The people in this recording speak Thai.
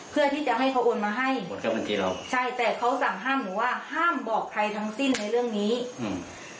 เพื่อที่จะให้เขาโอนมาให้โอนเข้าบัญชีเราใช่แต่เขาสั่งห้ามหนูว่าห้ามบอกใครทั้งสิ้นในเรื่องนี้อืม